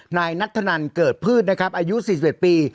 นายนัทธนันเกิดพืชนะครับอายุสี่สิบเด็ดปี